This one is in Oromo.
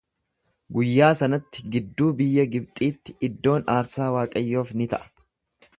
Guyyaa sanatti gidduu biyya Gibxiitti iddoon aarsaa Waaqayyoof ni ta'a.